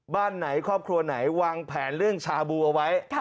บ้านไหนครอบครัวไหนวางแผนเรื่องชาบูเอาไว้